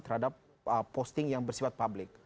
terhadap posting yang bersifat publik